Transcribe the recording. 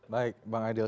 baik bang aidil